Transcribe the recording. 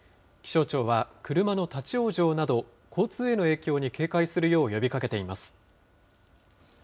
気象庁は車の立往生など、交通への影響に警戒するよう呼びかけています。